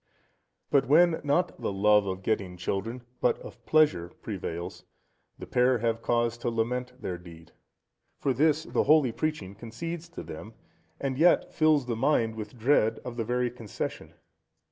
But when, not the love of getting children, but of pleasure prevails, the pair have cause to lament their deed. For this the holy preaching concedes to them, and yet fills the mind with dread of the very concession.